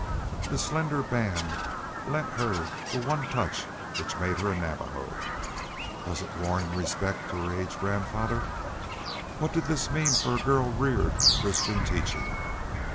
That slender band lent her the one touch which made her a Navajo. Was it worn in respect to her aged grandfather? What did this mean for a girl reared with Christian teaching?